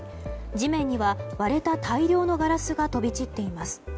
地面には割れた大量のガラスが飛び散っています。